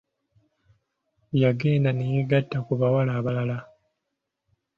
Yagenda ne yeegatta ku bawala abalala.